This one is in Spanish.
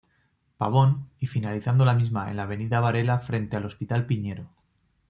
Pavón; y finalizando la misma en la Avenida Varela frente al Hospital Piñero.